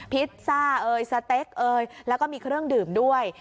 พิซซ่าสเต็กแล้วก็มีเครื่องดื่มด้วย